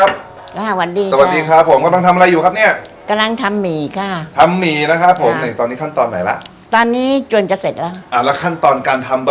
อ่าแล้วบุกเข้ามาถึงคนทำเส้นแล้วค่ะสวัสดีค่ะวันนี้ครับ